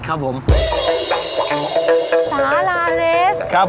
ครับผมพร้อมหรือยังครับ